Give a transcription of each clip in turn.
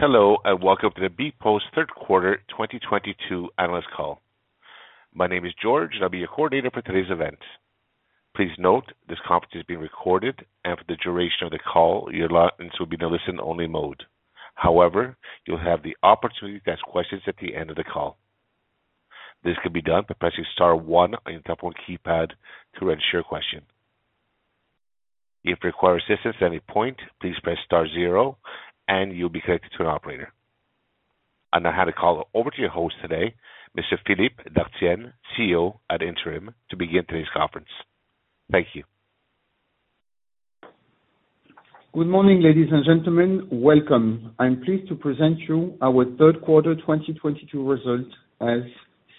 Hello, and welcome to the bpost third quarter 2022 analyst call. My name is George, and I'll be your coordinator for today's event. Please note, this conference is being recorded, and for the duration of the call, your lines will be in a listen-only mode. However, you'll have the opportunity to ask questions at the end of the call. This can be done by pressing star one on your telephone keypad to register your question. If you require assistance at any point, please press star zero, and you'll be connected to an operator. I'd now like to call over to your host today, Mr. Philippe Dartienne, CEO Ad Interim, to begin today's conference. Thank you. Good morning, ladies and gentlemen. Welcome. I'm pleased to present you our third quarter 2022 results as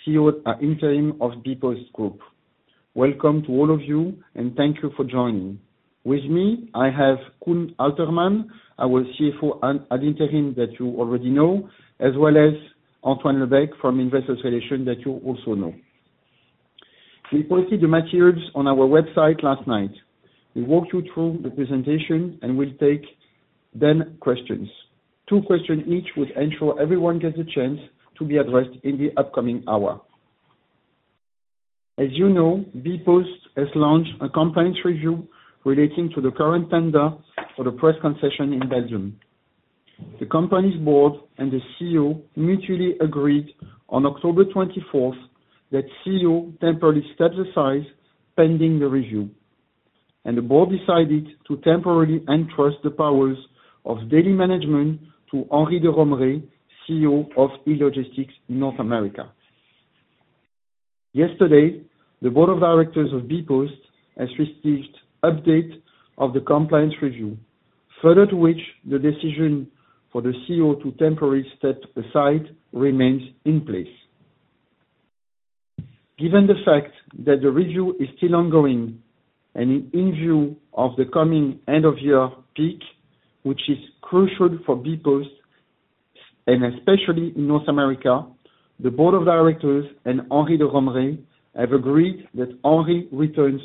CEO Ad Interim of bpost Group. Welcome to all of you, and thank you for joining. With me, I have Koen Aelterman, our CFO and Ad Interim that you already know, as well as Antoine Lebecq from Investor Relations that you also know. We posted the materials on our website last night. We'll walk you through the presentation and then we'll take questions. Two questions each would ensure everyone gets a chance to be addressed in the upcoming hour. As you know, bpost has launched a compliance review relating to the current tender for the press concession in Belgium. The company's board and the CEO mutually agreed on October 24th that CEO temporarily step aside pending the review, and the board decided to temporarily entrust the powers of daily management to Henri de Romrée, CEO of e-Logistics North America. Yesterday, the board of directors of bpost has received update of the compliance review, further to which the decision for the CEO to temporarily step aside remains in place. Given the fact that the review is still ongoing and in view of the coming end of year peak, which is crucial for bpost, and especially in North America, the board of directors and Henri de Romrée have agreed that Henri returns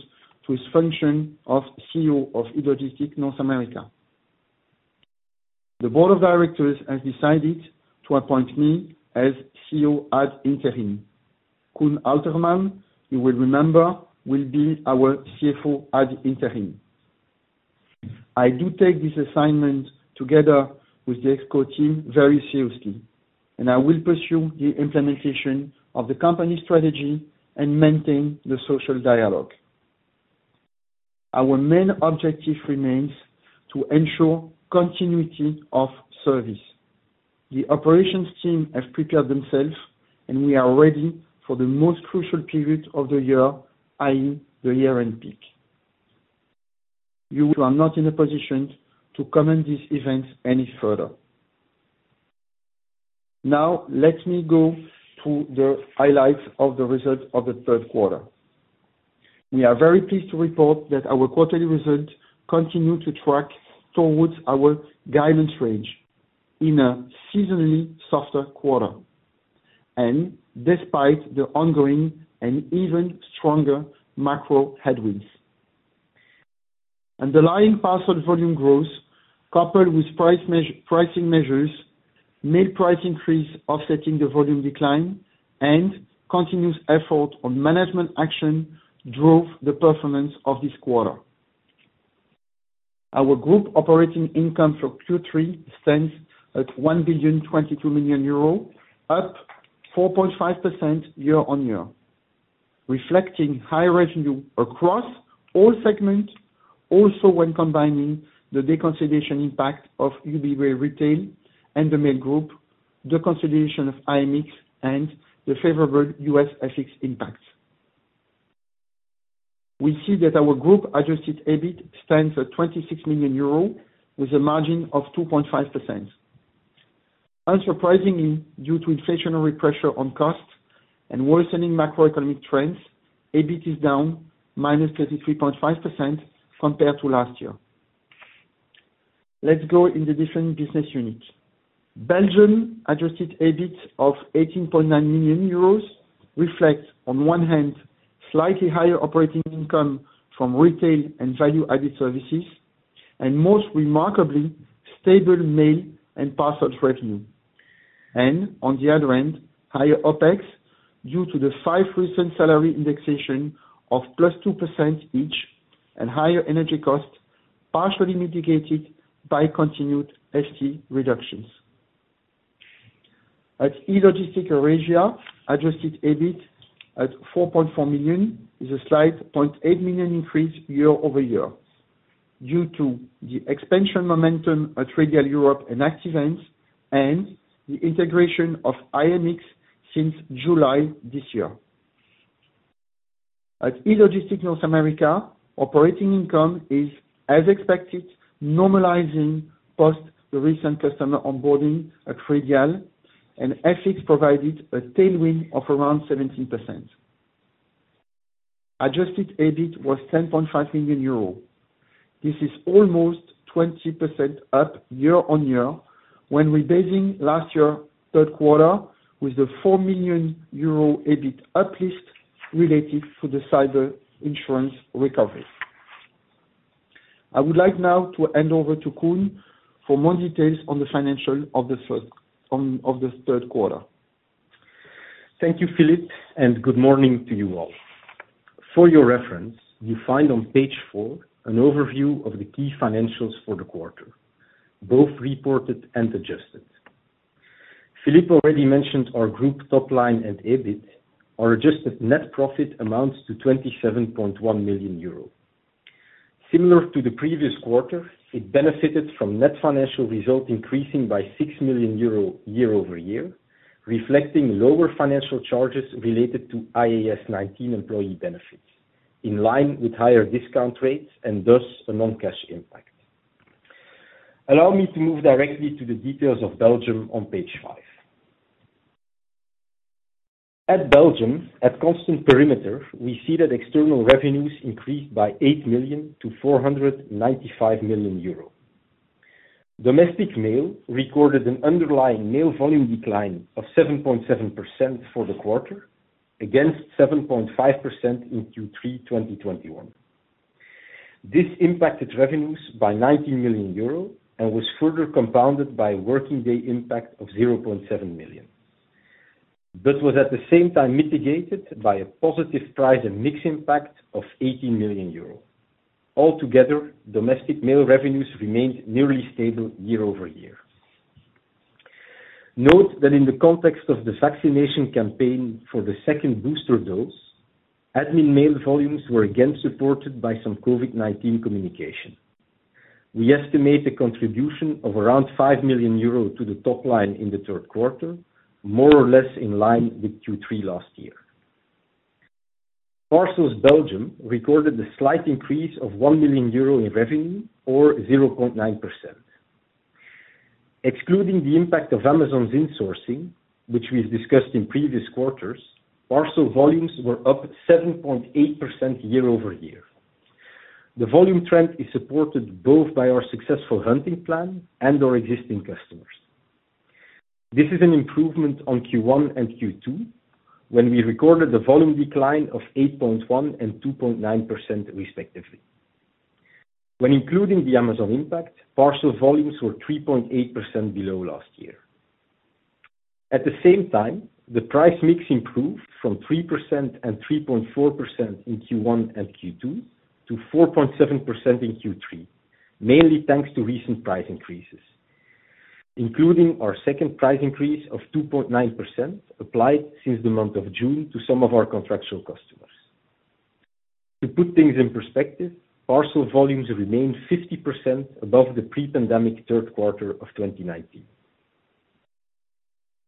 to his function of CEO of e-Logistics North America. The board of directors has decided to appoint me as CEO Ad Interim. Koen Aelterman, you will remember, will be our CFO Ad Interim. I do take this assignment together with the exco team very seriously, and I will pursue the implementation of the company strategy and maintain the social dialogue. Our main objective remains to ensure continuity of service. The operations team have prepared themselves and we are ready for the most crucial period of the year, i.e., the year-end peak. You are not in a position to comment on these events any further. Now, let me go through the highlights of the results of the third quarter. We are very pleased to report that our quarterly results continue to track towards our guidance range in a seasonally softer quarter, and despite the ongoing and even stronger macro headwinds. Underlying parcel volume growth, coupled with pricing measures, mail price increase offsetting the volume decline and continuous effort on management action drove the performance of this quarter. Our group operating income for Q3 stands at 1,022 million euro, up 4.5% year-on-year, reflecting high revenue across all segments, also when combining the deconsolidation impact of Ubiway Retail and the Mail Group, the consolidation of IMX and the favorable U.S. FX impacts. We see that our group adjusted EBIT stands at 26 million euro with a margin of 2.5%. Unsurprisingly, due to inflationary pressure on costs and worsening macroeconomic trends, EBIT is down -33.5% compared to last year. Let's go into the different business unit. Belgium adjusted EBIT of 18.9 million euros reflects on one hand, slightly higher operating income from retail and value-added services, and most remarkably, stable mail and parcels revenue. On the other end, higher OPEX, due to the five recent salary indexation of +2% each and higher energy costs, partially mitigated by continued SG&A reductions. At e-Logistics Eurasia, adjusted EBIT at 4.4 million is a slight 0.8 million increase year-over-year due to the expansion momentum at Radial Europe and Active Ants and the integration of IMX since July this year. At e-Logistics North America, operating income is, as expected, normalizing post the recent customer onboarding at Radial, and FX provided a tailwind of around 17%. Adjusted EBIT was 10.5 million euro. This is almost 20% up year-over-year when rebasing last year third quarter with the 4 million euro EBIT uplift related to the cyber insurance recovery. I would like now to hand over to Koen for more details on the financials of the third quarter. Thank you, Philippe, and good morning to you all. For your reference, you find on page four an overview of the key financials for the quarter, both reported and adjusted. Philippe already mentioned our group top line and EBIT. Our adjusted net profit amounts to 27.1 million euros. Similar to the previous quarter, it benefited from net financial result increasing by 6 million euro year-over-year, reflecting lower financial charges related to IAS 19 employee benefits, in line with higher discount rates and thus a non-cash impact. Allow me to move directly to the details of Belgium on page five. At Belgium, at constant perimeter, we see that external revenues increased by 8 million-495 million euro. Domestic mail recorded an underlying mail volume decline of 7.7% for the quarter against 7.5% in Q3 2021. This impacted revenues by 90 million euros and was further compounded by working day impact of 0.7 million, but was at the same time mitigated by a positive price and mix impact of 80 million euro. Altogether, domestic mail revenues remained nearly stable year-over-year. Note that in the context of the vaccination campaign for the second booster dose, admin mail volumes were again supported by some COVID-19 communication. We estimate a contribution of around 5 million euros to the top line in the third quarter, more or less in line with Q3 last year. Parcels Belgium recorded a slight increase of 1 million euro in revenue, or 0.9%. Excluding the impact of Amazon's insourcing, which we've discussed in previous quarters, parcel volumes were up 7.8% year-over-year. The volume trend is supported both by our successful hunting plan and our existing customers. This is an improvement on Q1 and Q2, when we recorded a volume decline of 8.1% and 2.9% respectively. When including the Amazon impact, parcel volumes were 3.8% below last year. At the same time, the price mix improved from 3% and 3.4% in Q1 and Q2 to 4.7% in Q3, mainly thanks to recent price increases, including our second price increase of 2.9% applied since the month of June to some of our contractual customers. To put things in perspective, parcel volumes remained 50% above the pre-pandemic third quarter of 2019.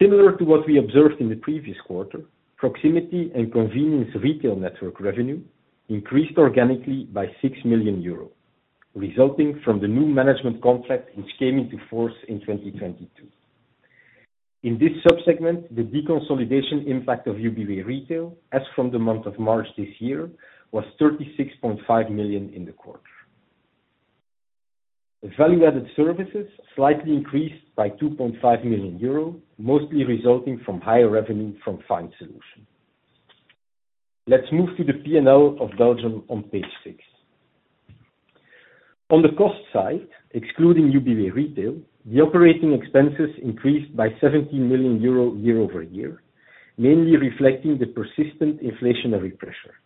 Similar to what we observed in the previous quarter, proximity and convenience retail network revenue increased organically by 6 million euros, resulting from the new management contract which came into force in 2022. In this subsegment, the deconsolidation impact of Ubiway Retail, as from the month of March this year, was 36.5 million in the quarter. The value-added services slightly increased by 2.5 million euros, mostly resulting from higher revenue from fine solution. Let's move to the P&L of Belgium on page six. On the cost side, excluding Ubiway Retail, the operating expenses increased by 17 million euro year-over-year, mainly reflecting the persistent inflationary pressure.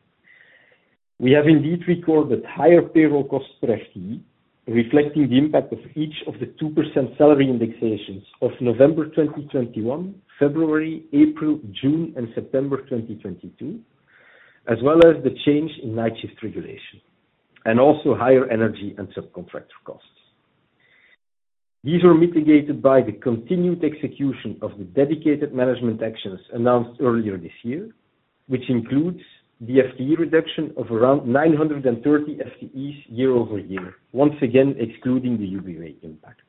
We have indeed recorded higher payroll costs per FTE, reflecting the impact of each of the 2% salary indexations of November 2021, February, April, June, and September 2022, as well as the change in night shift regulation and also higher energy and subcontractor costs. These were mitigated by the continued execution of the dedicated management actions announced earlier this year, which includes the FTE reduction of around 930 FTEs year-over-year, once again excluding the Ubiway impact.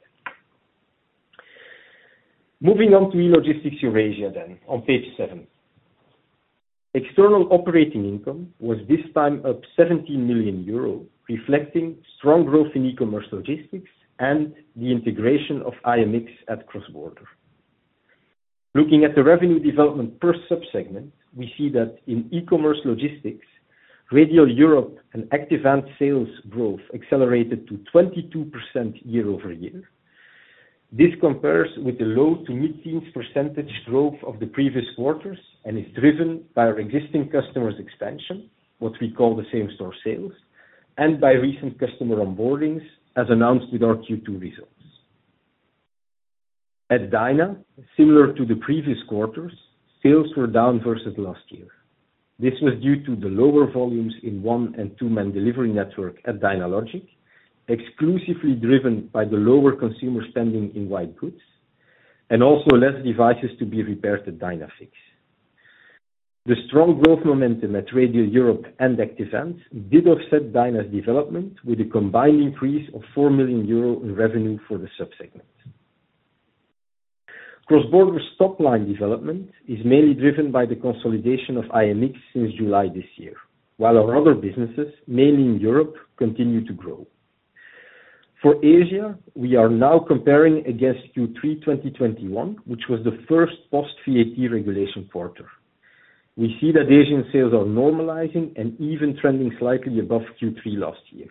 Moving on to e-Logistics Eurasia then on page seven. External operating income was this time up 17 million euro, reflecting strong growth in e-commerce logistics and the integration of IMX at cross-border. Looking at the revenue development per subsegment, we see that in e-commerce logistics, Radial Europe and Active Ants sales growth accelerated to 22% year-over-year. This compares with the low to mid-teens percentage growth of the previous quarters and is driven by our existing customers' expansion, what we call the same-store sales, and by recent customer onboardings as announced with our Q2 results. At Dyna, similar to the previous quarters, sales were down versus last year. This was due to the lower volumes in one- and two-man delivery network at Dynalogic, exclusively driven by the lower consumer spending in white goods, and also less devices to be repaired at Dynafix. The strong growth momentum at Radial Europe and Active Ants did offset Dyna's development with a combined increase of 4 million euros in revenue for the subsegment. Cross-border top line development is mainly driven by the consolidation of IMX since July this year, while our other businesses, mainly in Europe, continue to grow. For Asia, we are now comparing against Q3 2021, which was the first post VAT regulation quarter. We see that Asian sales are normalizing and even trending slightly above Q3 last year.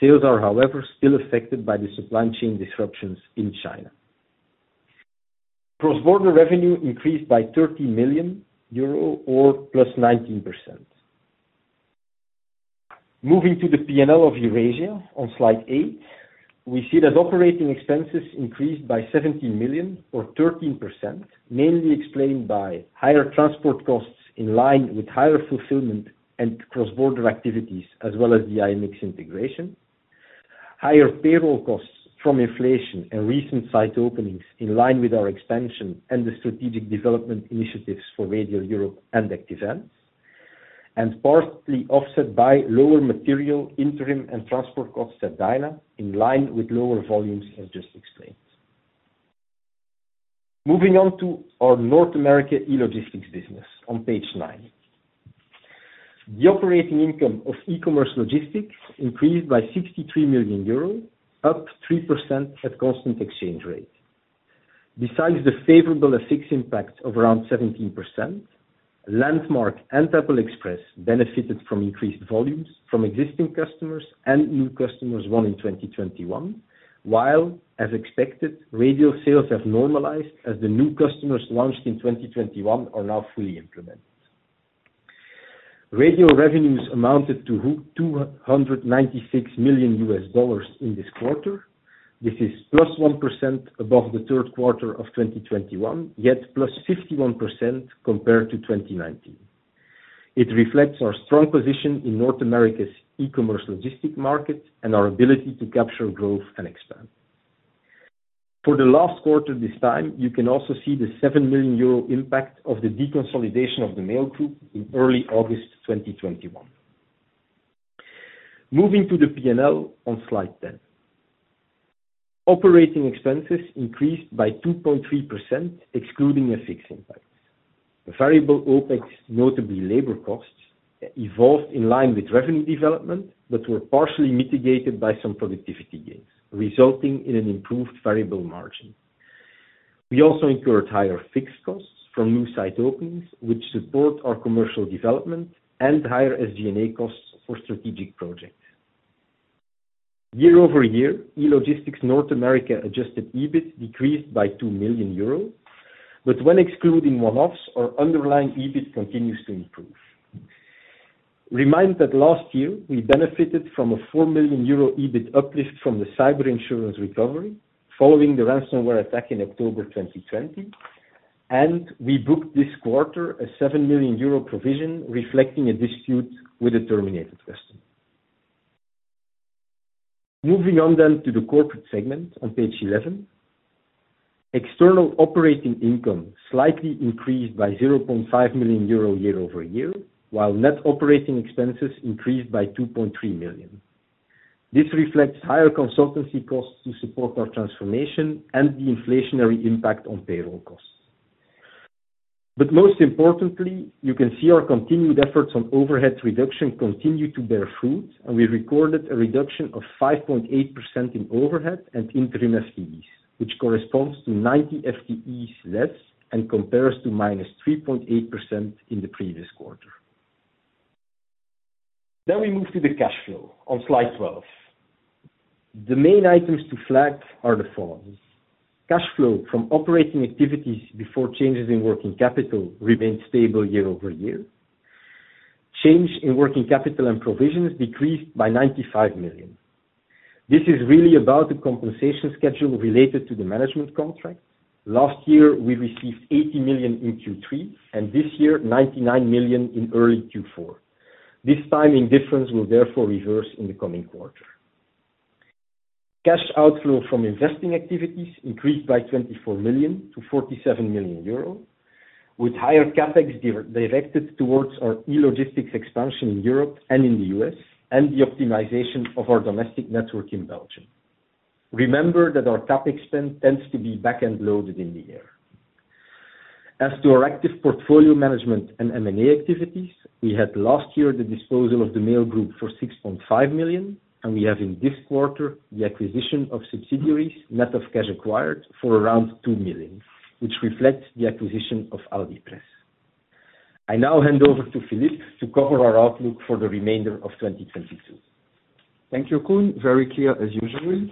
Sales are, however, still affected by the supply chain disruptions in China. Cross-border revenue increased by 30 million euro or +19%. Moving to the P&L of Eurasia on slide eight, we see that operating expenses increased by 17 million or 13%, mainly explained by higher transport costs in line with higher fulfillment and cross-border activities, as well as the IMX integration. Higher payroll costs from inflation and recent site openings in line with our expansion and the strategic development initiatives for Radial Europe and Active Ants, and partly offset by lower material, interim, and transport costs at Dyna, in line with lower volumes as just explained. Moving on to our e-Logistics North America business on page nine. The operating income of e-Logistics increased by 63 million euros, up 3% at constant exchange rate. Besides the favorable FX impact of around 17%, Landmark and Temple Express benefited from increased volumes from existing customers and new customers won in 2021, while, as expected, Radial sales have normalized as the new customers launched in 2021 are now fully implemented. Radial revenues amounted to $296 million in this quarter. This is +1% above the third quarter of 2021, yet +51% compared to 2019. It reflects our strong position in North America's e-commerce logistics market and our ability to capture growth and expand. For the last quarter this time, you can also see the 7 million euro impact of the deconsolidation of the Mail Group in early August 2021. Moving to the P&L on slide 10. Operating expenses increased by 2.3%, excluding FX impacts. The variable OpEx, notably labor costs, evolved in line with revenue development, but were partially mitigated by some productivity gains, resulting in an improved variable margin. We also incurred higher fixed costs from new site openings, which support our commercial development and higher SG&A costs for strategic projects. Year-over-year, e-Logistics North America adjusted EBIT decreased by 2 million euros, but when excluding one-offs, our underlying EBIT continues to improve. Remember that last year, we benefited from a 4 million euro EBIT uplift from the cyber insurance recovery following the ransomware attack in October 2020, and we booked this quarter a 7 million euro provision reflecting a dispute with a terminated customer. Moving on to the corporate segment on page 11. External operating income slightly increased by 0.5 million euro year-over-year, while net operating expenses increased by 2.3 million. This reflects higher consultancy costs to support our transformation and the inflationary impact on payroll costs. Most importantly, you can see our continued efforts on overhead reduction continue to bear fruit, and we recorded a reduction of 5.8% in overhead and indirect FTEs, which corresponds to 90 FTEs less and compares to -3.8% in the previous quarter. We move to the cash flow on slide 12. The main items to flag are the following. Cash flow from operating activities before changes in working capital remained stable year-over-year. Change in working capital and provisions decreased by 95 million. This is really about the compensation schedule related to the management contract. Last year, we received 80 million in Q3, and this year, 99 million in early Q4. This timing difference will therefore reverse in the coming quarter. Cash outflow from investing activities increased by 24 million to 47 million euro, with higher CapEx directed towards our e-Logistics expansion in Europe and in the U.S., and the optimization of our domestic network in Belgium. Remember that our CapEx spend tends to be back-end loaded in the year. As to our active portfolio management and M&A activities, we had last year the disposal of the Mail Group for 6.5 million, and we have in this quarter the acquisition of subsidiaries, net of cash acquired for around 2 million, which reflects the acquisition of Aldipress. I now hand over to Philippe to cover our outlook for the remainder of 2022. Thank you, Koen. Very clear as usual.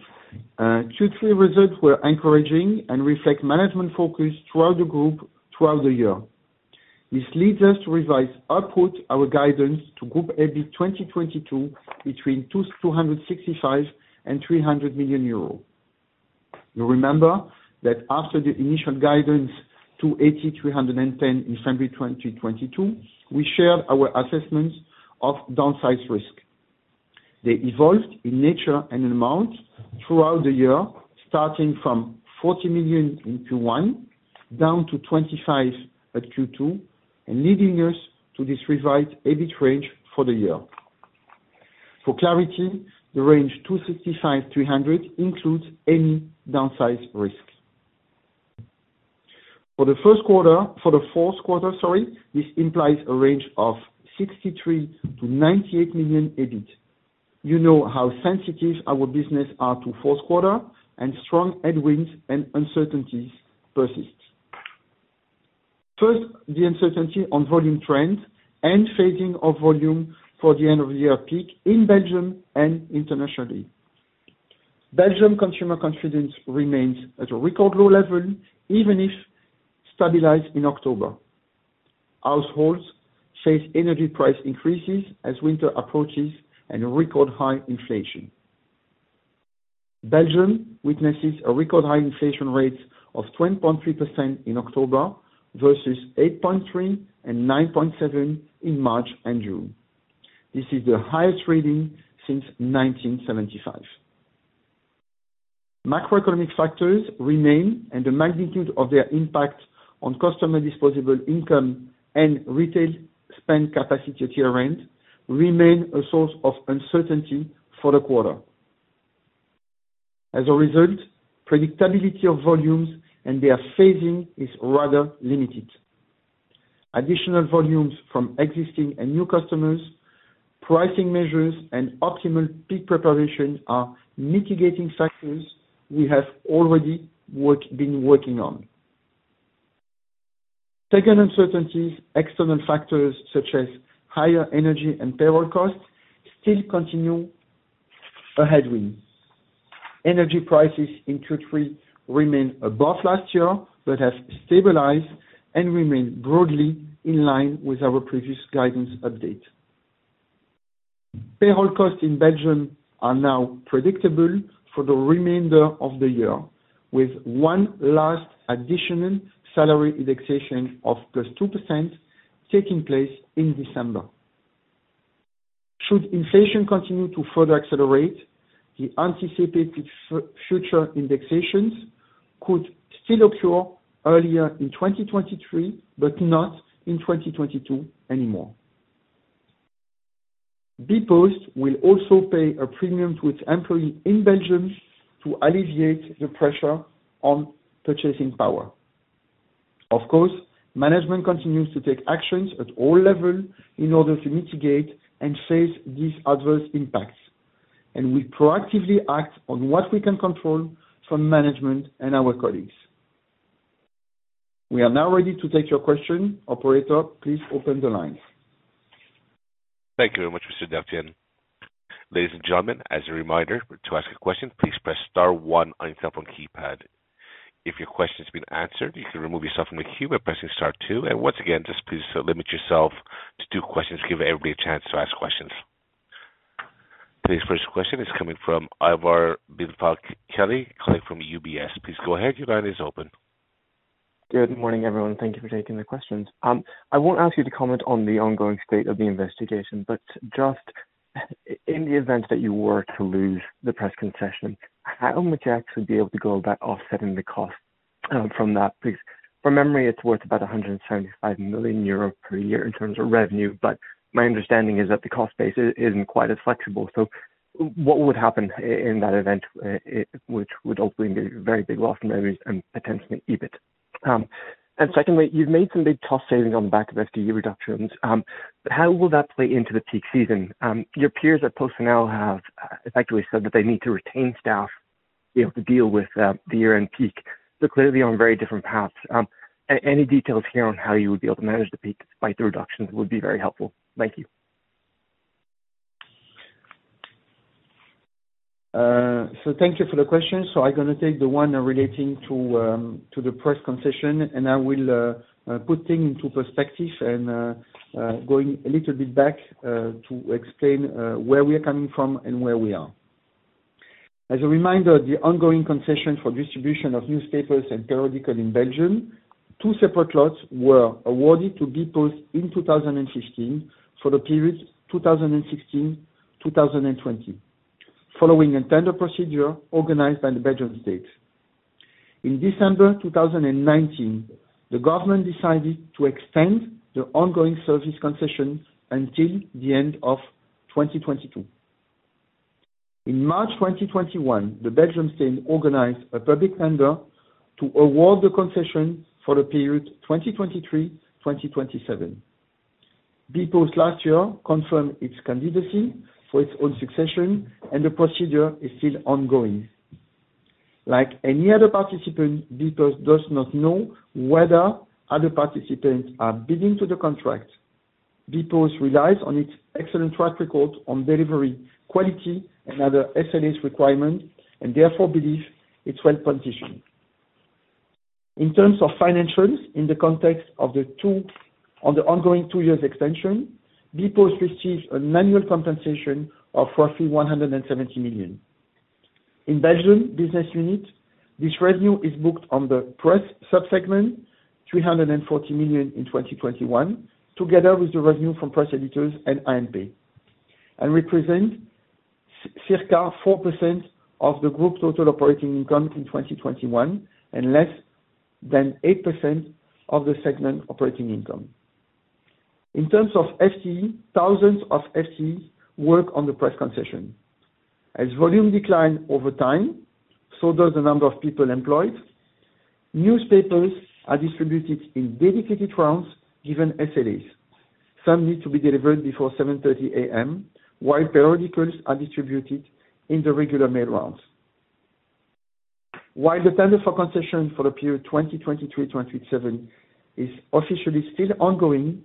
Q3 results were encouraging and reflect management focus throughout the group throughout the year. This leads us to revise upward our guidance to group EBIT 2022 between 265 million and 300 million euro. You remember that after the initial guidance to 83 million-110 million in February 2022, we shared our assessments of downside risk. They evolved in nature and in amount throughout the year, starting from 40 million in Q1, down to 25 million at Q2, and leading us to this revised EBIT range for the year. For clarity, the range 265, 300 includes any downside risks. For the fourth quarter, sorry, this implies a range of 63 million-98 million EBIT. You know how sensitive our business are to fourth quarter and strong headwinds and uncertainties persist. First, the uncertainty on volume trends and phasing of volume for the end of year peak in Belgium and internationally. Belgium consumer confidence remains at a record low level, even if stabilized in October. Households face energy price increases as winter approaches and record high inflation. Belgium witnesses a record high inflation rate of 20.3% in October versus 8.3% and 9.7% in March and June. This is the highest reading since 1975. Macroeconomic factors remain, and the magnitude of their impact on customer disposable income and retail spend capacity at year-end remain a source of uncertainty for the quarter. As a result, predictability of volumes and their phasing is rather limited. Additional volumes from existing and new customers, pricing measures, and optimal peak preparation are mitigating factors we have already been working on. Second uncertainties, external factors such as higher energy and payroll costs still continue a headwind. Energy prices in Q3 remain above last year, but have stabilized and remain broadly in line with our previous guidance update. Payroll costs in Belgium are now predictable for the remainder of the year, with one last additional salary indexation of +2% taking place in December. Should inflation continue to further accelerate, the anticipated future indexations could still occur earlier in 2023, but not in 2022 anymore. bpost will also pay a premium to its employees in Belgium to alleviate the pressure on purchasing power. Of course, management continues to take actions at all level in order to mitigate and face these adverse impacts, and we proactively act on what we can control from management and our colleagues. We are now ready to take your question. Operator, please open the line. Thank you very much, Mr. Dartienne. Ladies and gentlemen, as a reminder, to ask a question, please press star one on your telephone keypad. If your question's been answered, you can remove yourself from the queue by pressing star two. Once again, just please limit yourself to two questions to give everybody a chance to ask questions. Today's first question is coming from Ivar Billfalk-Kelly, colleague from UBS. Please go ahead. Your line is open. Good morning, everyone. Thank you for taking the questions. I won't ask you to comment on the ongoing state of the investigation, but just in the event that you were to lose the press concession, how much would you actually be able to go about offsetting the cost from that? Because from memory it's worth about 175 million euro per year in terms of revenue. But my understanding is that the cost base isn't quite as flexible. What would happen in that event, which would ultimately be a very big loss for me and potentially EBIT? And secondly, you've made some big cost savings on the back of FTE reductions. How will that play into the peak season? Your peers at PostNL have effectively said that they need to retain staff to be able to deal with the year-end peak. They're clearly on very different paths. Any details here on how you would be able to manage the peak by the reductions would be very helpful. Thank you. Thank you for the question. I'm gonna take the one relating to the press concession, and I will put things into perspective and going a little bit back to explain where we are coming from and where we are. As a reminder, the ongoing concession for distribution of newspapers and periodicals in Belgium, two separate lots were awarded to bpost in 2015 for the period 2016-2020, following a tender procedure organized by the Belgian State. In December 2019, the government decided to extend the ongoing service concession until the end of 2022. In March 2021, the Belgian State organized a public tender to award the concession for the period 2023-2027. bpost last year confirmed its candidacy for its own succession and the procedure is still ongoing. Like any other participant, bpost does not know whether other participants are bidding on the contract. bpost relies on its excellent track record on delivery, quality and other SLA requirements and therefore believes it's well-positioned. In terms of financials, in the context of the ongoing two-year extension, bpost receives an annual compensation of roughly 170 million. In Belgium business unit, this revenue is booked on the press sub-segment, 340 million in 2021, together with the revenue from press editors and AMP, and represents circa 4% of the group's total operating income in 2021 and less than 8% of the segment operating income. In terms of FTE, thousands of FTE work on the press concession. As volumes decline over time, so does the number of people employed. Newspapers are distributed in dedicated rounds, given SLAs. Some need to be delivered before 7:30 A.M., while periodicals are distributed in the regular mail rounds. While the tender for concession for the period 2023-2027 is officially still ongoing,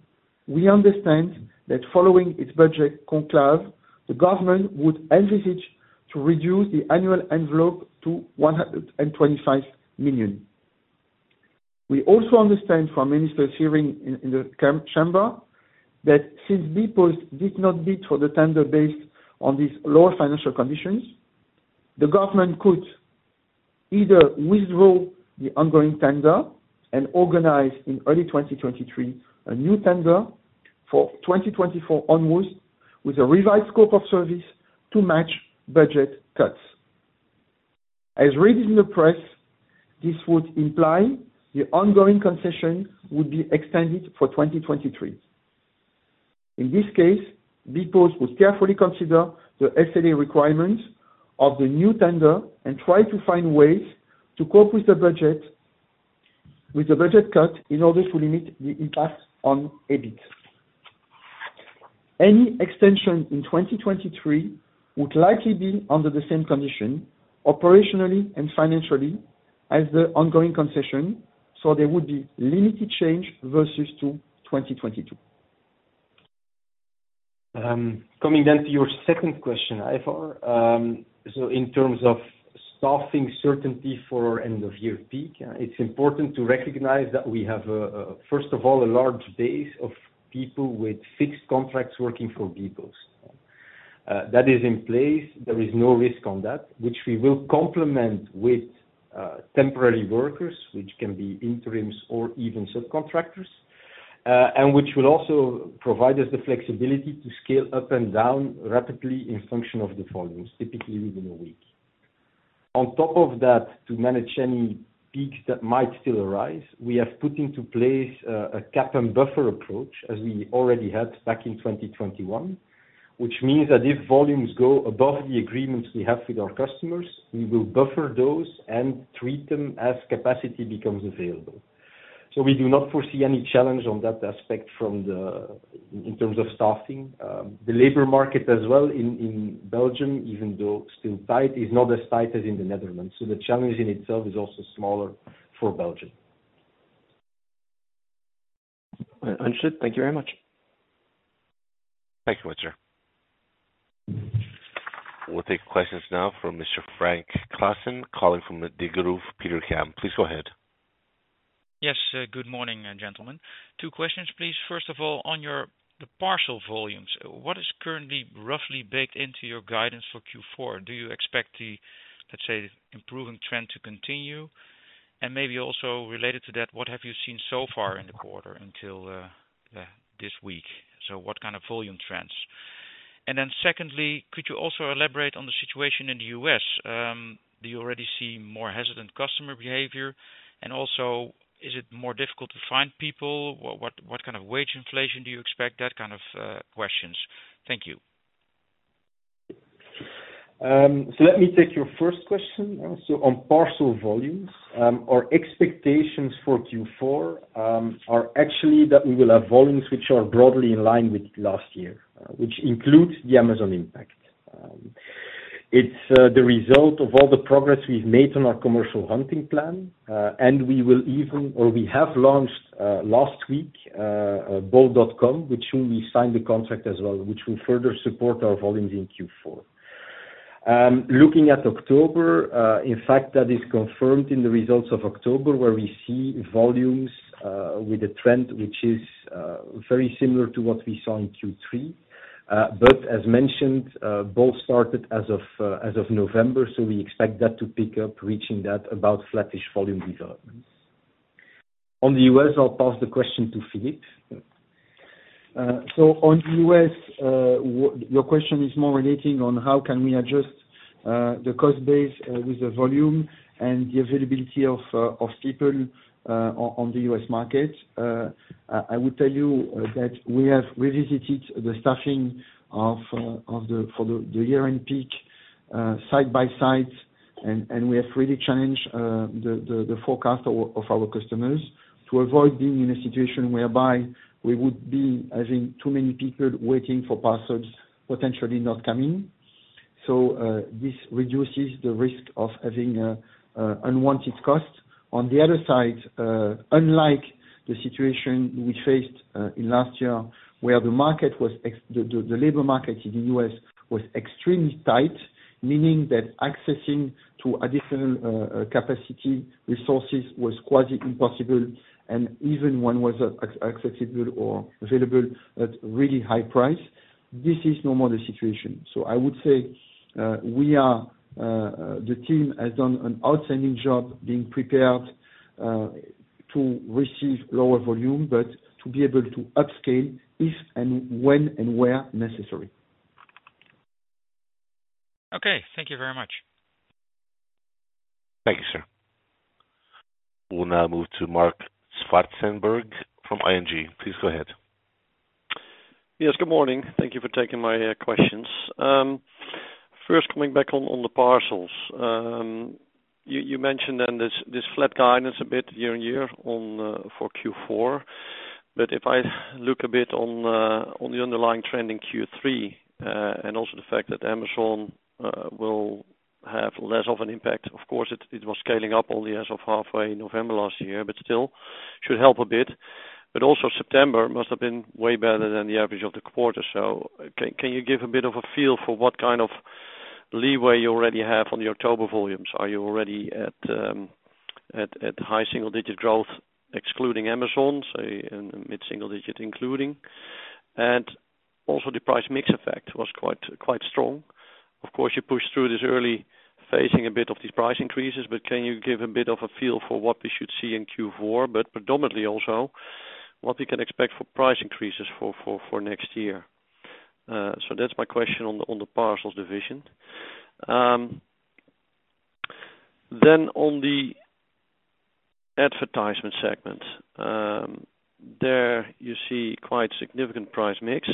we understand that following its budget conclave, the government would envisage to reduce the annual envelope to 125 million. We also understand from minister hearing in the chamber that since bpost did not bid for the tender based on these lower financial conditions, the government could either withdraw the ongoing tender and organize in early 2023 a new tender for 2024 onwards with a revised scope of service to match budget cuts. As read in the press, this would imply the ongoing concession would be extended for 2023. In this case, bpost would carefully consider the SLA requirements of the new tender and try to find ways to cope with the budget, with the budget cut in order to limit the impact on EBIT. Any extension in 2023 would likely be under the same condition, operationally and financially, as the ongoing concession, so there would be limited change versus to 2022. Coming then to your second question, Ivar. In terms of staffing certainty for end-of-year peak, it's important to recognize that we have, first of all, a large base of people with fixed contracts working for bpost. That is in place. There is no risk on that, which we will complement with temporary workers, which can be interims or even subcontractors, and which will also provide us the flexibility to scale up and down rapidly in function of the volumes, typically within a week. On top of that, to manage any peaks that might still arise, we have put into place a cap and buffer approach, as we already had back in 2021, which means that if volumes go above the agreements we have with our customers, we will buffer those and treat them as capacity becomes available. We do not foresee any challenge on that aspect in terms of staffing. The labor market as well in Belgium, even though still tight, is not as tight as in the Netherlands. The challenge in itself is also smaller for Belgium. Understood. Thank you very much. Thank you, sir. We'll take questions now from Mr. Frank Claassen, calling from the Degroof Petercam. Please go ahead. Yes. Good morning, gentlemen. Two questions, please. First of all, on your, the parcel volumes, what is currently roughly baked into your guidance for Q4? Do you expect the, let's say, improving trend to continue? And maybe also related to that, what have you seen so far in the quarter until this week? What kind of volume trends? And then secondly, could you also elaborate on the situation in the U.S.? Do you already see more hesitant customer behavior? And also, is it more difficult to find people? What kind of wage inflation do you expect? That kind of questions. Thank you. Let me take your first question. On parcel volumes, our expectations for Q4 are actually that we will have volumes which are broadly in line with last year, which includes the Amazon impact. It's the result of all the progress we've made on our commercial hunting plan. We have launched last week bol.com, which we signed the contract as well, which will further support our volumes in Q4. Looking at October, in fact, that is confirmed in the results of October, where we see volumes with a trend which is very similar to what we saw in Q3. As mentioned, bol.com started as of November, so we expect that to pick up, reaching that about flattish volume developments. On the U.S., I'll pass the question to Philippe. On U.S., your question is more relating on how can we adjust the cost base with the volume and the availability of people on the U.S. market. I would tell you that we have revisited the staffing for the year-end peak site by site. We have really challenged the forecast of our customers to avoid being in a situation whereby we would be having too many people waiting for parcels potentially not coming. This reduces the risk of having unwanted costs. On the other side, unlike the situation we faced in last year, where the labor market in the U.S. was extremely tight, meaning that access to additional capacity resources was quasi impossible, and even if one was accessible or available at really high price. This is no more the situation. I would say the team has done an outstanding job being prepared to receive lower volume, but to be able to upscale if and when and where necessary. Okay. Thank you very much. Thank you, sir. We'll now move to Marc Zwartsenburg from ING. Please go ahead. Yes, good morning. Thank you for taking my questions. First coming back on the parcels. You mentioned then this flat guidance a bit year-over-year on for Q4. If I look a bit on the underlying trend in Q3 and also the fact that Amazon will have less of an impact, of course, it was scaling up only as of halfway November last year, but still should help a bit. Also September must have been way better than the average of the quarter. Can you give a bit of a feel for what kind of leeway you already have on the October volumes? Are you already at high single-digit growth excluding Amazon, say in mid-single digit including? Also the price mix effect was quite strong. Of course, you push through this early phasing a bit of these price increases, but can you give a bit of a feel for what we should see in Q4, but predominantly also what we can expect for price increases for next year? So that's my question on the parcels division. Then on the advertisement segment, there you see quite significant price mix.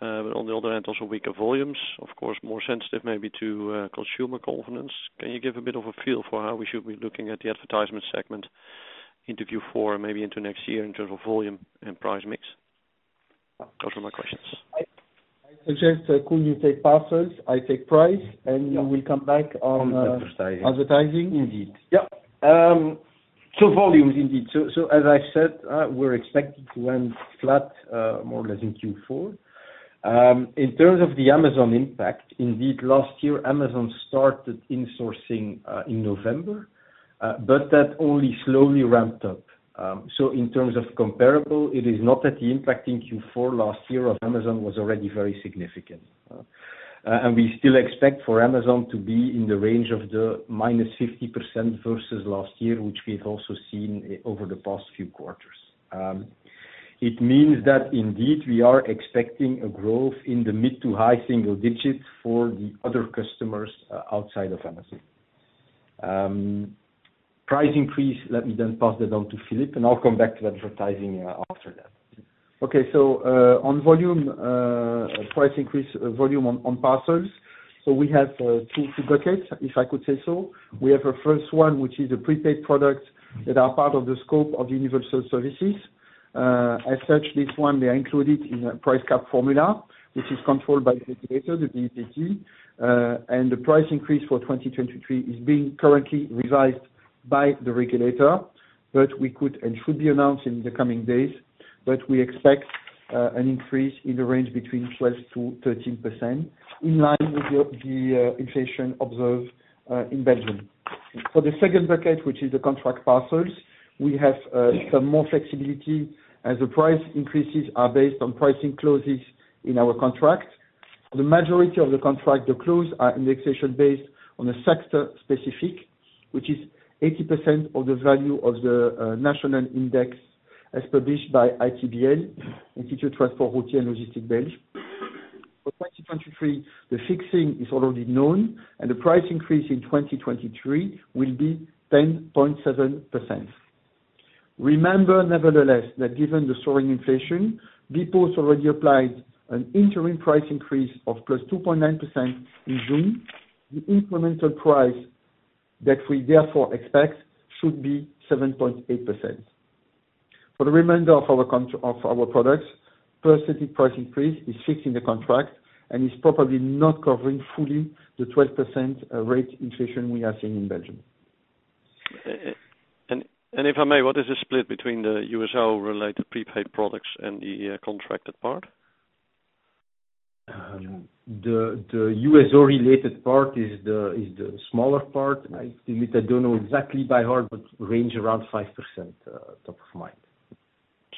But on the other hand, also weaker volumes, of course, more sensitive maybe to consumer confidence. Can you give a bit of a feel for how we should be looking at the advertisement segment into Q4 and maybe into next year in terms of volume and price mix? Those are my questions. I suggest, could you take parcels? I take price, and we come back on. On advertising. Advertising indeed. Yeah. Volumes indeed. As I said, we're expected to end flat, more or less in Q4. In terms of the Amazon impact, indeed last year Amazon started insourcing in November, but that only slowly ramped up. In terms of comparable, it is not that the impact in Q4 last year of Amazon was already very significant. We still expect for Amazon to be in the range of the -50% versus last year, which we've also seen over the past few quarters. It means that indeed we are expecting a growth in the mid- to high-single-digits for the other customers outside of Amazon. Price increase, let me then pass that on to Philippe, and I'll come back to advertising after that. On volume price increase on parcels. We have two buckets, if I could say so. We have a first one, which is the prepaid products that are part of the scope of universal services. As such, this one, they are included in a price cap formula, which is controlled by the regulator, the BIPT. The price increase for 2023 is being currently revised by the regulator, but it could and should be announced in the coming days. We expect an increase in the range between 12%-13% in line with the inflation observed in Belgium. For the second bucket, which is the contract parcels, we have some more flexibility as the price increases are based on pricing clauses in our contract. The majority of the contract, the clause are indexation based on a sector specific, which is 80% of the value of the national index as published by ITLB, L'Institut Transport Routier & Logistique Belgique. For 2023, the fixing is already known, and the price increase in 2023 will be 10.7%. Remember, nevertheless, that given the soaring inflation, bpost already applied an interim price increase of +2.9% in June. The incremental price that we therefore expect should be 7.8%. For the remainder of our products, specific price increase is fixed in the contract and is probably not covering fully the 12% rate inflation we are seeing in Belgium. If I may, what is the split between the USO related prepaid products and the contracted part? The USO related part is the smaller part. I admit I don't know exactly by heart, but range around 5%, top of mind.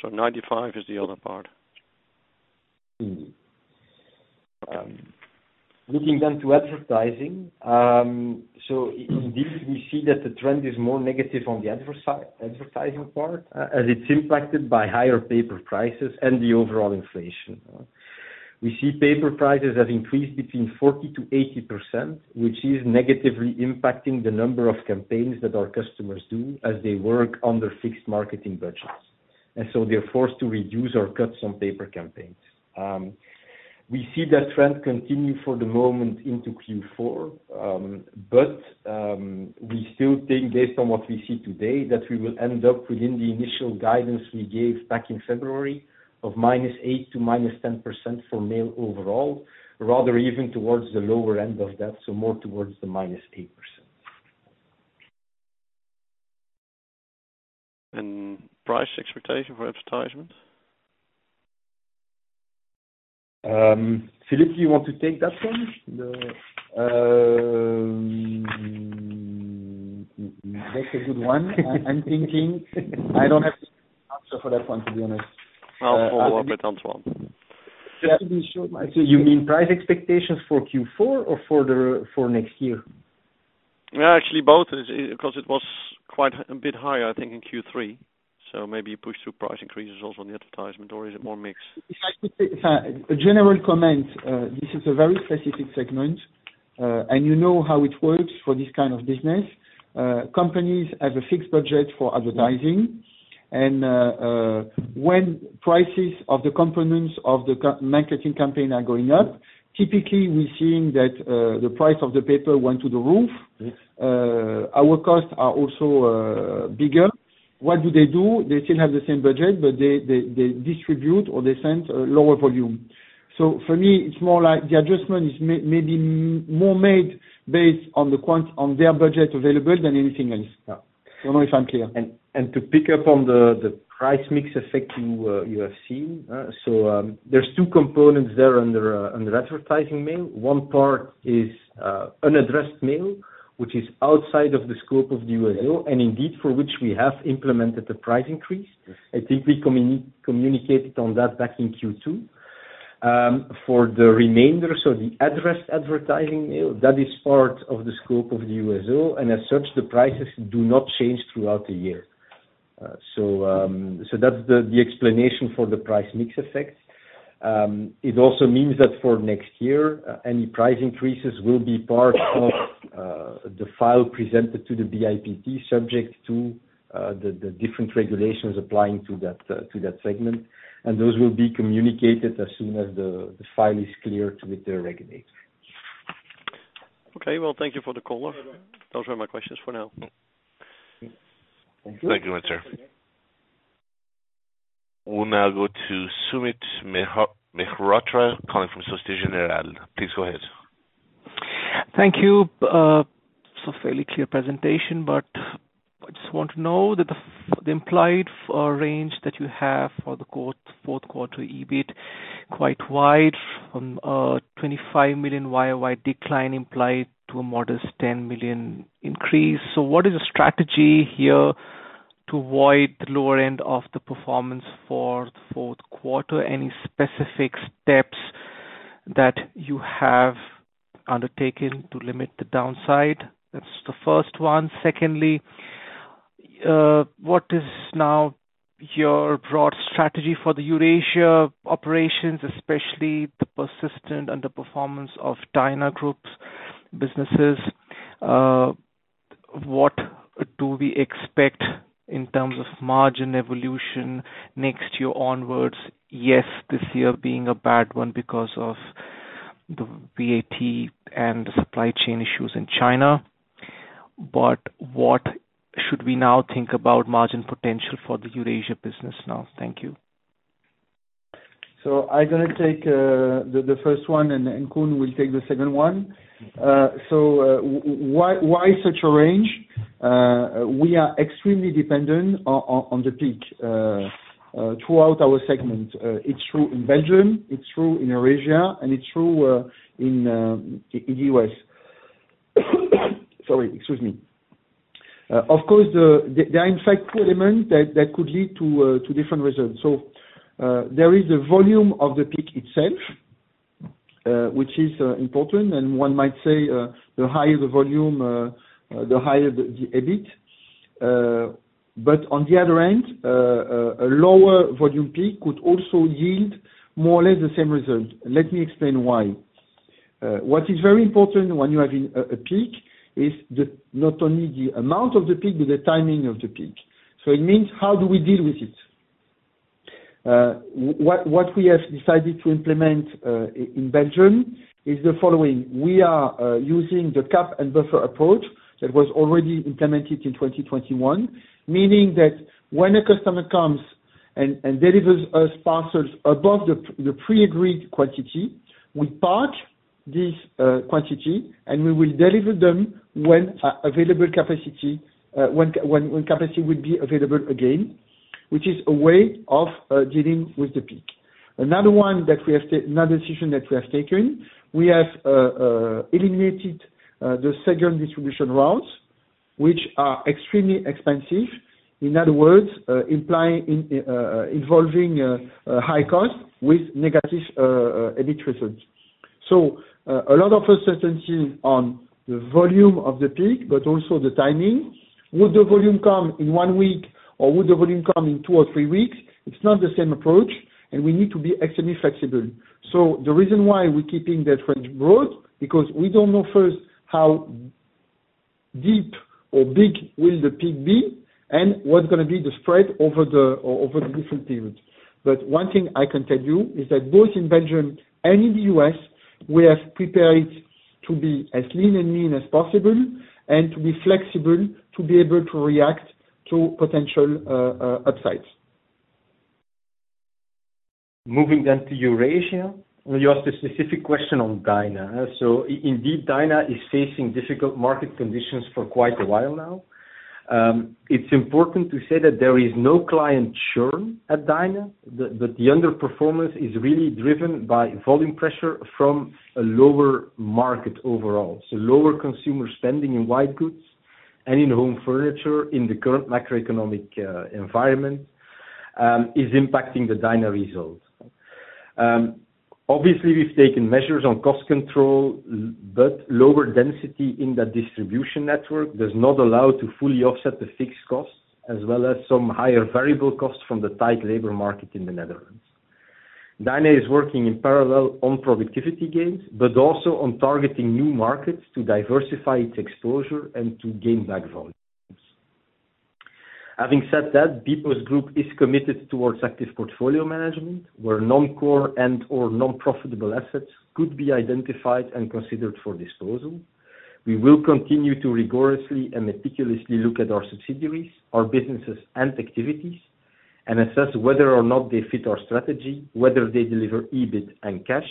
95% is the other part. Looking to advertising. Indeed we see that the trend is more negative on the advertising part, as it's impacted by higher paper prices and the overall inflation. We see paper prices have increased between 40%-80%, which is negatively impacting the number of campaigns that our customers do as they work under fixed marketing budgets. They're forced to reduce or cut some paper campaigns. We see that trend continue for the moment into Q4. We still think based on what we see today, that we will end up within the initial guidance we gave back in February of -8% to -10% for mail overall. Rather even towards the lower end of that, so more towards the -8%. Price expectation for advertisement? Philippe, you want to take that one? That's a good one. I'm thinking. I don't have the answer for that one, to be honest. I'll forward that to Antoine. Just to be sure. You mean price expectations for Q4 or for next year? Yeah, actually both, because it was quite a bit higher, I think, in Q3. Maybe you push through price increases also on the advertisement, or is it more mixed? If I could say, a general comment, this is a very specific segment, and you know how it works for this kind of business. Companies have a fixed budget for advertising and, when prices of the components of the marketing campaign are going up, typically, we're seeing that the price of the paper went through the roof. Yes. Our costs are also bigger. What do they do? They still have the same budget, but they distribute or they send a lower volume. For me, it's more like the adjustment is maybe more made based on their budget available than anything else. Yeah. I don't know if I'm clear. To pick up on the price mix effect you have seen. There's two components there under advertising mail. One part is unaddressed mail, which is outside of the scope of the USO, and indeed for which we have implemented the price increase. Yes. I think we communicated on that back in Q2. For the remainder, the address advertising mail, that is part of the scope of the USO, and as such, the prices do not change throughout the year. That's the explanation for the price mix effect. It also means that for next year, any price increases will be part of the file presented to the BIPT subject to the different regulations applying to that segment. Those will be communicated as soon as the file is cleared with the regulator. Okay. Well, thank you for the color. Those were my questions for now. Thank you. Thank you, sir. We'll now go to Sumit Mehrotra calling from Société Générale. Please go ahead. Thank you. Some fairly clear presentation, but I just want to know that the implied range that you have for the fourth quarter EBIT is quite wide from 25 million YoY decline implied to a modest 10 million increase. What is the strategy here to avoid the lower end of the performance for the fourth quarter? Any specific steps that you have undertaken to limit the downside? That's the first one. Secondly, what is now your broad strategy for the Eurasia operations, especially the persistent underperformance of DynaGroup businesses? What do we expect in terms of margin evolution next year onwards? Yes, this year being a bad one because of the VAT and the supply chain issues in China. What should we now think about margin potential for the Eurasia business now? Thank you. I'm gonna take the first one, and Koen will take the second one. Why such a range? We are extremely dependent on the peak throughout our segment. It's true in Belgium, it's true in Eurasia, and it's true in the U.S. Sorry, excuse me. Of course, there are in fact two elements that could lead to different results. There is the volume of the peak itself, which is important, and one might say, the higher the volume, the higher the EBIT. On the other end, a lower volume peak could also yield more or less the same result. Let me explain why. What is very important when you're having a peak is not only the amount of the peak but the timing of the peak. It means how do we deal with it? What we have decided to implement in Belgium is the following. We are using the cap and buffer approach that was already implemented in 2021, meaning that when a customer comes and delivers us parcels above the pre-agreed quantity, we park this quantity, and we will deliver them when available capacity when capacity will be available again, which is a way of dealing with the peak. Another decision that we have taken, we have eliminated the second distribution routes, which are extremely expensive. In other words, implying, involving high cost with negative EBIT results. A lot of uncertainty on the volume of the peak but also the timing. Would the volume come in one week, or would the volume come in two or three weeks? It's not the same approach, and we need to be extremely flexible. The reason why we're keeping that range broad, because we don't know first how deep or big will the peak be and what's gonna be the spread over the different periods. One thing I can tell you is that both in Belgium and in the U.S., we have prepared to be as lean and mean as possible and to be flexible to be able to react to potential upsides. Moving to Eurasia. You asked a specific question on DynaGroup. Indeed, DynaGroup is facing difficult market conditions for quite a while now. It's important to say that there is no client churn at DynaGroup. The underperformance is really driven by volume pressure from a lower market overall. Lower consumer spending in white goods and in home furniture in the current macroeconomic environment is impacting the DynaGroup result. Obviously we've taken measures on cost control, but lower density in the distribution network does not allow to fully offset the fixed costs as well as some higher variable costs from the tight labor market in the Netherlands. Dyna is working in parallel on productivity gains, but also on targeting new markets to diversify its exposure and to gain back volumes. Having said that, bpost Group is committed towards active portfolio management, where non-core and/or non-profitable assets could be identified and considered for disposal. We will continue to rigorously and meticulously look at our subsidiaries, our businesses and activities, and assess whether or not they fit our strategy, whether they deliver EBIT and cash,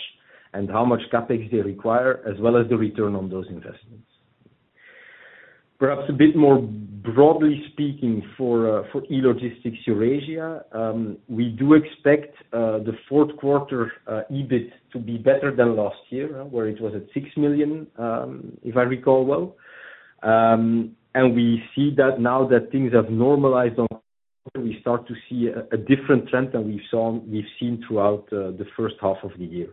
and how much CapEx they require, as well as the return on those investments. Perhaps a bit more broadly speaking for e-Logistics Eurasia, we do expect the fourth quarter EBIT to be better than last year, where it was at 6 million, if I recall well. We see that now that things have normalized, we start to see a different trend than we saw, we've seen throughout the first half of the year.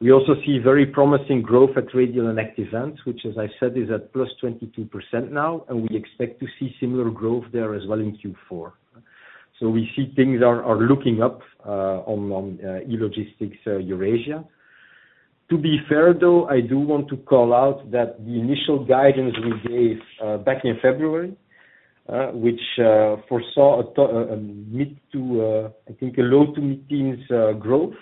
We also see very promising growth at Radial and Active Ants, which as I said, is at +22% now, and we expect to see similar growth there as well in Q4. We see things are looking up on e-Logistics Eurasia. To be fair, though, I do want to call out that the initial guidance we gave back in February, which foresaw a low to mid-teens growth,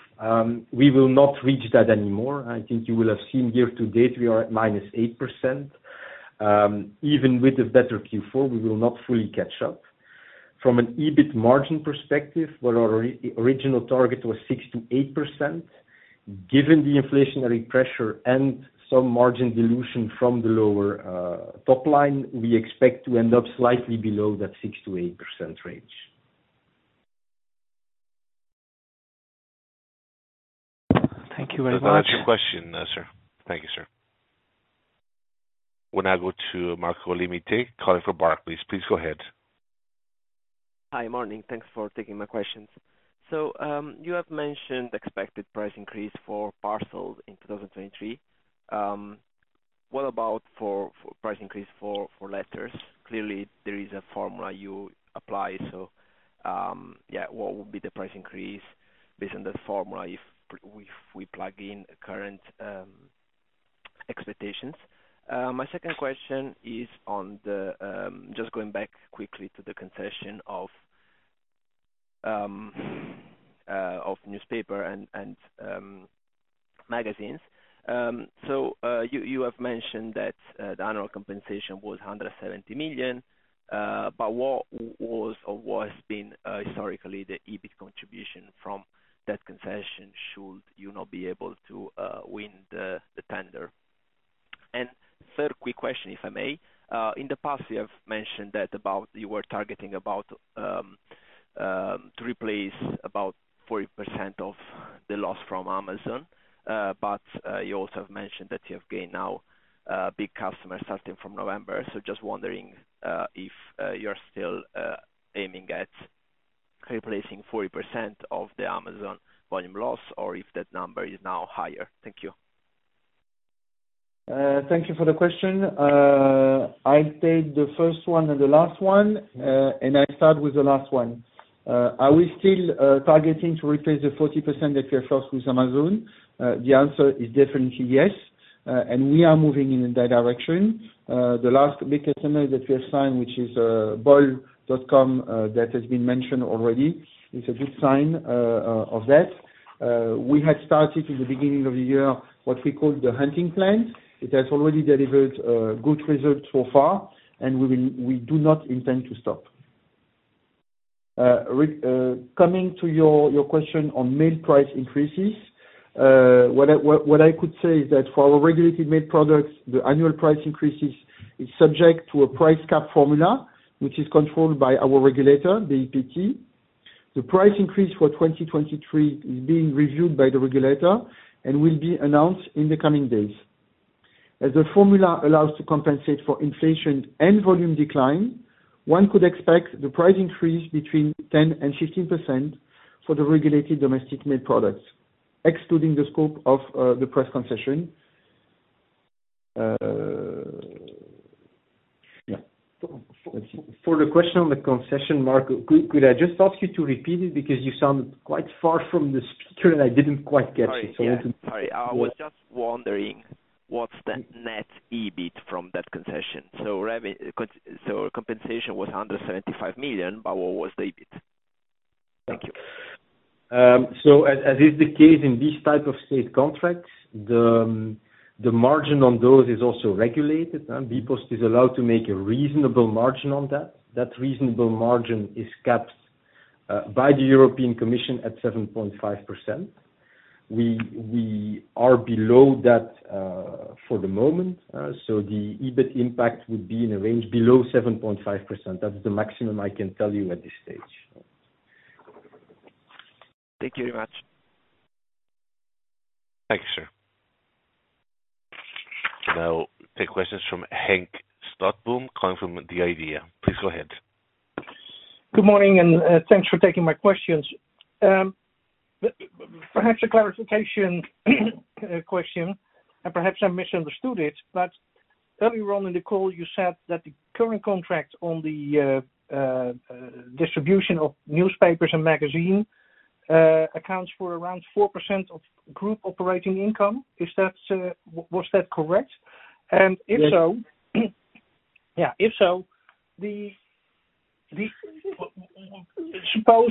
we will not reach that anymore. I think you will have seen year to date, we are at -8%. Even with the better Q4, we will not fully catch up. From an EBIT margin perspective, where our original target was 6%-8%, given the inflationary pressure and some margin dilution from the lower top line, we expect to end up slightly below that 6%-8% range. Thank you very much. Does that answer your question, sir? Thank you, sir. We now go to Marco Limite calling from Barclays. Please go ahead. Hi. Morning. Thanks for taking my questions. You have mentioned expected price increase for parcels in 2023. What about price increase for letters? Clearly, there is a formula you apply. What would be the price increase based on that formula if we plug in current expectations? My second question is on just going back quickly to the concession of newspaper and magazines. You have mentioned that the annual compensation was 170 million, but what was or what has been historically the EBIT contribution from that concession should you not be able to win the tender? Third quick question, if I may. In the past you have mentioned that you were targeting to replace about 40% of the loss from Amazon. You also have mentioned that you have gained now big customers starting from November. Just wondering if you're still aiming at replacing 40% of the Amazon volume loss or if that number is now higher. Thank you. Thank you for the question. I'll take the first one and the last one, and I start with the last one. Are we still targeting to replace the 40% that we have lost with Amazon? The answer is definitely yes. We are moving in that direction. The last big customer that we have signed, which is bol.com, that has been mentioned already. It's a good sign of that. We had started in the beginning of the year, what we call the hunting plan. It has already delivered good results so far, and we do not intend to stop. Coming to your question on mail price increases. What I could say is that for our regulated mail products, the annual price increases is subject to a price cap formula, which is controlled by our regulator, the BIPT. The price increase for 2023 is being reviewed by the regulator and will be announced in the coming days. As the formula allows to compensate for inflation and volume decline, one could expect the price increase between 10% and 15% for the regulated domestic mail products, excluding the scope of the press concession. For the question on the concession, Marco, could I just ask you to repeat it because you sounded quite far from the speaker, and I didn't quite catch it. Sorry. Yeah. Sorry. I was just wondering what's the net EBIT from that concession. Compensation was under 75 million, but what was the EBIT? Thank you. As is the case in this type of state contracts, the margin on those is also regulated, and bpost is allowed to make a reasonable margin on that. That reasonable margin is capped by the European Commission at 7.5%. We are below that for the moment. The EBIT impact would be in a range below 7.5%. That's the maximum I can tell you at this stage. Thank you very much. Thank you, sir. Now take questions from Henk Slotboom, calling from The IDEA!. Please go ahead. Good morning, thanks for taking my questions. Perhaps a clarification question, and perhaps I misunderstood it. Earlier on in the call you said that the current contract on the distribution of newspapers and magazines accounts for around 4% of group operating income. Is that, was that correct? If so- Yes. Yeah, if so, well, suppose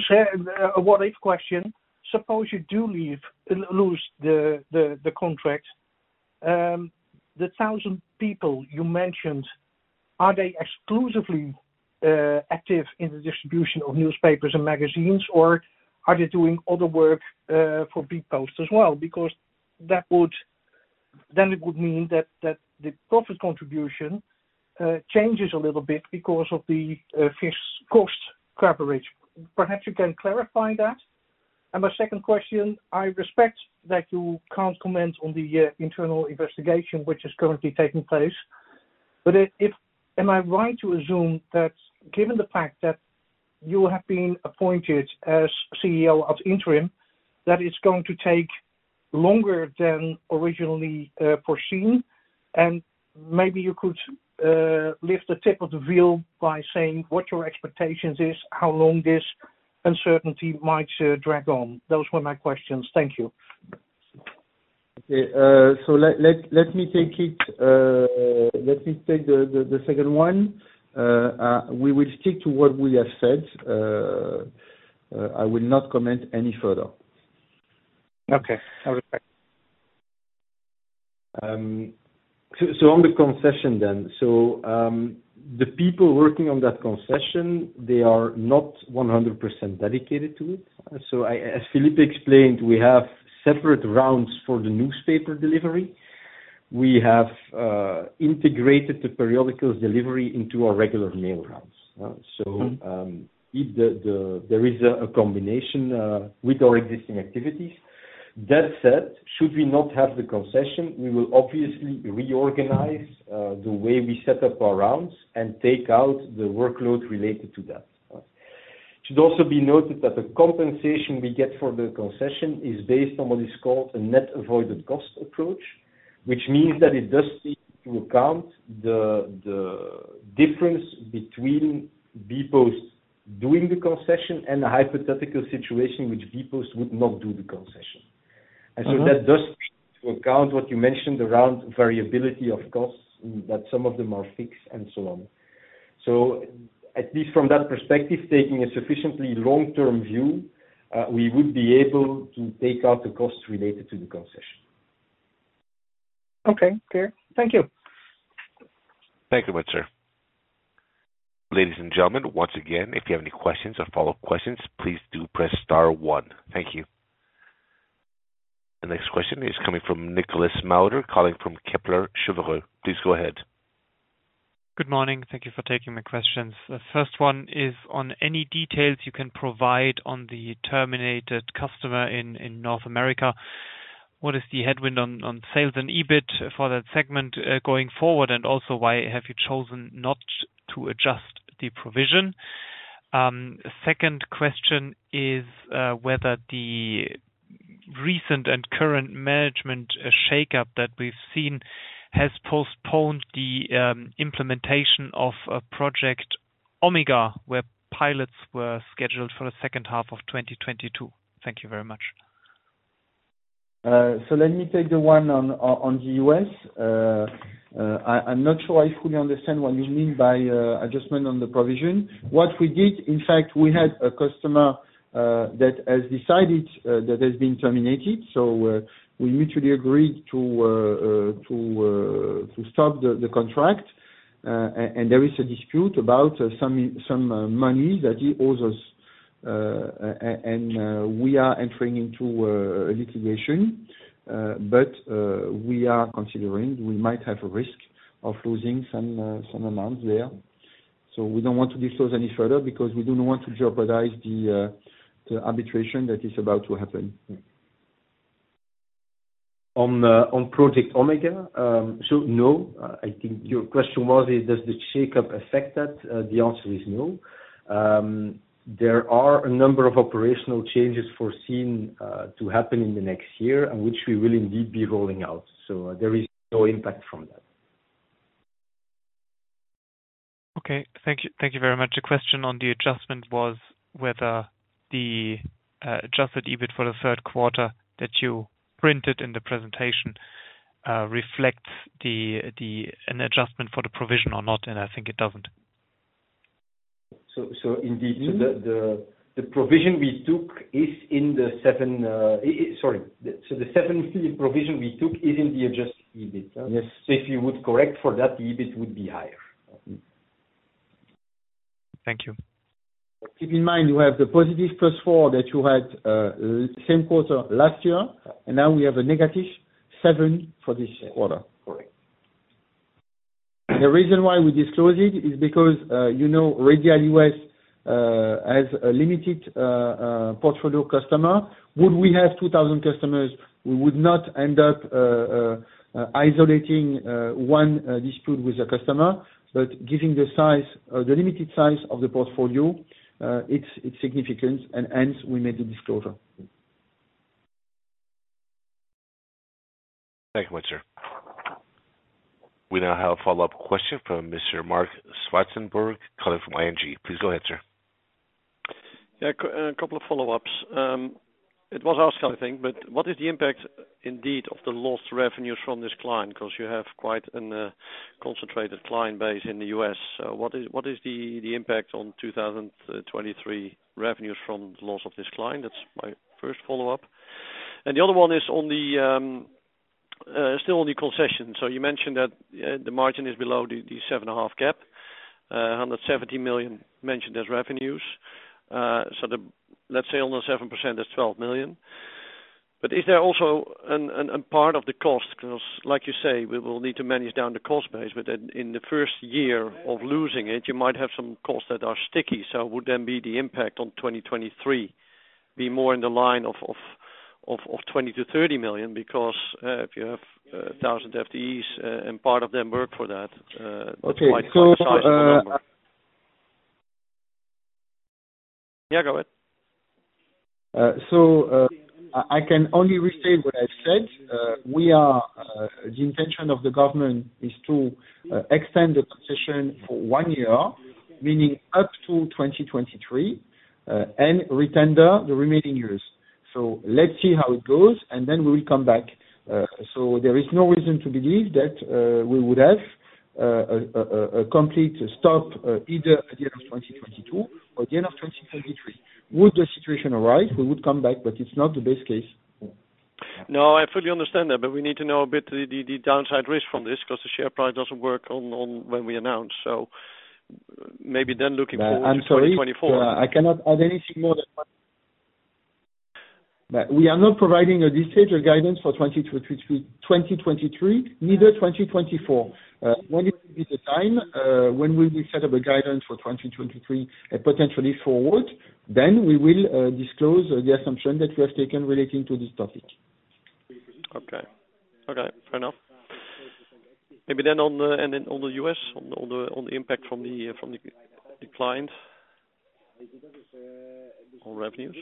a what if question. Suppose you do lose the contract, the 1,000 people you mentioned, are they exclusively active in the distribution of newspapers and magazines, or are they doing other work for bpost as well? Because that would then mean that the profit contribution changes a little bit because of the fixed cost coverage. Perhaps you can clarify that. My second question, I respect that you can't comment on the internal investigation which is currently taking place. But if am I right to assume that given the fact that you have been appointed as CEO Ad Interim, that it's going to take longer than originally foreseen? Maybe you could lift the tip of the veil by saying what your expectations is, how long this uncertainty might drag on. Those were my questions. Thank you. Okay. Let me take the second one. We will stick to what we have said. I will not comment any further. Okay. I respect. On the concession then. The people working on that concession, they are not 100% dedicated to it. As Philippe explained, we have separate rounds for the newspaper delivery. We have integrated the periodical delivery into our regular mail rounds. Mm-hmm. If there is a combination with our existing activities. That said, should we not have the concession, we will obviously reorganize the way we set up our rounds and take out the workload related to that. It should also be noted that the compensation we get for the concession is based on what is called a net avoided cost approach, which means that it does take into account the difference between bpost doing the concession and a hypothetical situation in which bpost would not do the concession. Mm-hmm. That does take into account what you mentioned around variability of costs, that some of them are fixed and so on. At least from that perspective, taking a sufficiently long-term view, we would be able to take out the costs related to the concession. Okay, clear. Thank you. Thank you much, sir. Ladies and gentlemen, once again, if you have any questions or follow-up questions, please do press star one. Thank you. The next question is coming from Andre Mulder, calling from Kepler Cheuvreux. Please go ahead. Good morning. Thank you for taking my questions. The first one is on any details you can provide on the terminated customer in North America. What is the headwind on sales and EBIT for that segment going forward? And also, why have you chosen not to adjust the provision? Second question is whether the recent and current management shakeup that we've seen has postponed the implementation of Project OMEGA, where pilots were scheduled for the second half of 2022. Thank you very much. Let me take the one on the U.S. I'm not sure I fully understand what you mean by adjustment on the provision. What we did, in fact, we had a customer that has been terminated. We mutually agreed to stop the contract. And there is a dispute about some money that he owes us. And we are entering into a litigation. But we are considering we might have a risk of losing some amounts there. We don't want to disclose any further because we do not want to jeopardize the arbitration that is about to happen. On Project OMEGA. No. I think your question was, does the shakeup affect that? The answer is no. There are a number of operational changes foreseen to happen in the next year and which we will indeed be rolling out. There is no impact from that. Okay. Thank you. Thank you very much. The question on the adjustment was whether the adjusted EBIT for the third quarter that you printed in the presentation reflects an adjustment for the provision or not, and I think it doesn't. Indeed. Mm-hmm. The severance provision we took is in the adjusted EBIT. Yes. If you would correct for that, the EBIT would be higher. Thank you. Keep in mind, you have the +4% that you had same quarter last year, and now we have a -7% for this quarter. Correct. The reason why we disclose it is because, you know, Radial U.S. has a limited customer portfolio. Would we have 2,000 customers, we would not end up isolating one dispute with a customer. But given the limited size of the portfolio, it's significant, and hence we made the disclosure. Thank you much, sir. We now have a follow-up question from Mr. Marc Zwartsenburg calling from ING. Please go ahead, sir. A couple of follow-ups. It was asked kind of thing, but what is the impact indeed of the lost revenues from this client? Because you have quite a concentrated client base in the U.S. So what is the impact on 2023 revenues from the loss of this client? That's my first follow-up. The other one is still on the concession. So you mentioned that the margin is below the 7.5% cap. 170 million mentioned as revenues. So let's say almost 7% is 12 million. But is there also a part of the cost? 'Cause like you say, we will need to manage down the cost base, but then in the first year of losing it, you might have some costs that are sticky. Would then be the impact on 2023 be more in the line of 20 million-30 million? Because if you have 1,000 FTEs and part of them work for that. Okay. Yeah, go ahead. I can only restate what I've said. The intention of the government is to extend the concession for one year, meaning up to 2023, and retender the remaining years. Let's see how it goes, and then we will come back. There is no reason to believe that we would have a complete stop, either at the end of 2022 or the end of 2023. Would the situation arise, we would come back, but it's not the base case. No, I fully understand that, but we need to know a bit the downside risk from this 'cause the share price doesn't work on when we announce. Maybe then looking forward to 2024. I'm sorry. I cannot add anything more than what we are not providing at this stage a guidance for 2023, neither 2024. When it will be the time, when we will set up a guidance for 2023 and potentially forward, then we will disclose the assumption that we have taken relating to this topic. Okay. Okay, fair enough. Maybe then on the U.S., on the impact from the client on revenues.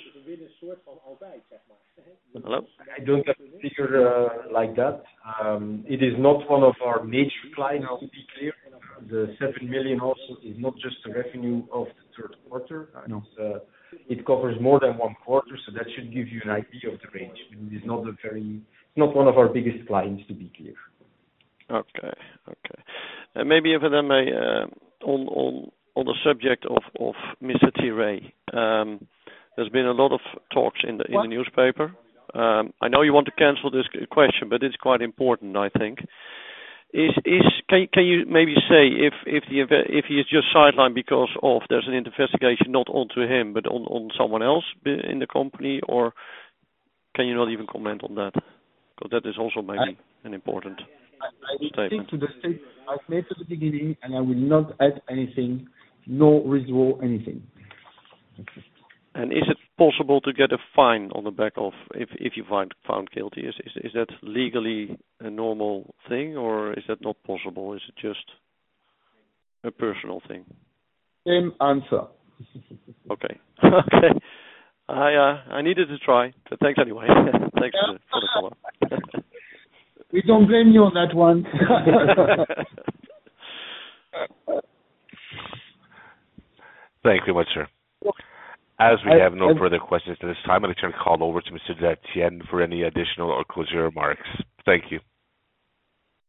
Hello? I don't have a figure like that. It is not one of our major clients, to be clear. The 7 million also is not just the revenue of the third quarter. No. It covers more than one quarter, so that should give you an idea of the range. It is not one of our biggest clients, to be clear. Okay. Maybe if then I on the subject of Mr. Tirez, there's been a lot of talks in the newspaper. I know you want to cancel this question, but it's quite important, I think. Can you maybe say if he is just sidelined because of there's an investigation not onto him, but on someone else in the company? Or can you not even comment on that? 'Cause that is also maybe an important statement. I will stick to the statement I've made at the beginning, and I will not add anything, nor withdraw anything. Is it possible to get a fine on the back of it if you found guilty? Is that legally a normal thing or is that not possible? Is it just a personal thing? Same answer. Okay. I needed to try, but thanks anyway. Thanks for the call. We don't blame you on that one. Thank you much, sir. As we have no further questions at this time, I'll return the call over to Mr. Dartienne for any additional or closing remarks. Thank you.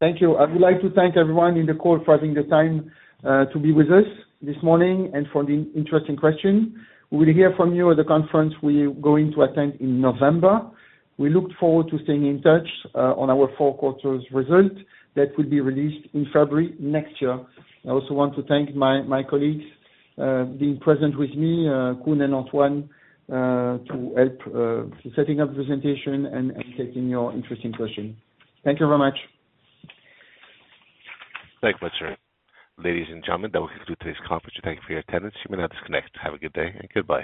Thank you. I would like to thank everyone in the call for having the time to be with us this morning and for the interesting question. We'll hear from you at the conference we're going to attend in November. We look forward to staying in touch on our fourth quarter's result that will be released in February next year. I also want to thank my colleagues being present with me, Koen and Antoine, to help setting up the presentation and taking your interesting question. Thank you very much. Thank you much, sir. Ladies and gentlemen, that will conclude today's conference. Thank you for your attendance. You may now disconnect. Have a good day and goodbye.